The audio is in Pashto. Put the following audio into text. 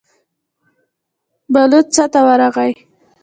بلوڅ څا ته ورغی.